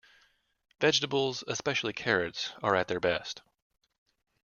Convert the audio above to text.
Vegetables, especially carrots, are at their best.